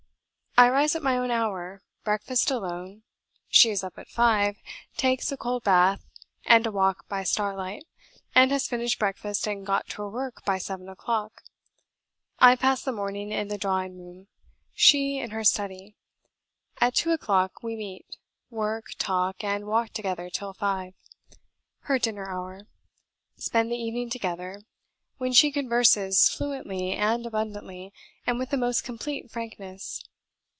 I rise at my own hour, breakfast alone (she is up at five, takes a cold bath, and a walk by starlight, and has finished breakfast and got to her work by seven o'clock). I pass the morning in the drawing room she, in her study. At two o'clock we meet work, talk, and walk together till five, her dinner hour, spend the evening together, when she converses fluently and abundantly, and with the most complete frankness.